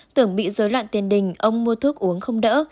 tưởng bị dối loạn tiền đình ông mua thuốc uống không đỡ